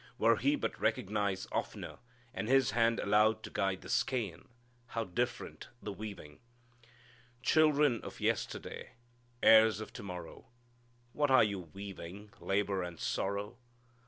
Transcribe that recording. Were He but recognized oftener and His hand allowed to guide the skein, how different the weaving! "Children of yesterday, Heirs of to morrow, What are you weaving Labor and sorrow?